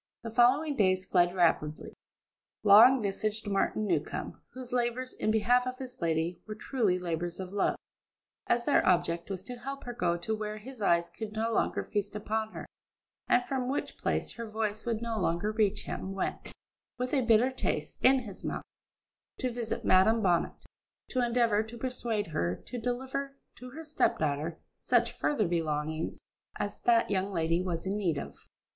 The following days fled rapidly. Long visaged Martin Newcombe, whose labours in behalf of his lady were truly labours of love, as their object was to help her to go where his eyes could no longer feast upon her, and from which place her voice would no longer reach him, went, with a bitter taste in his mouth, to visit Madam Bonnet, to endeavour to persuade her to deliver to her step daughter such further belongings as that young lady was in need of.